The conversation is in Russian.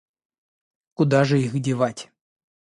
Куда же их девать?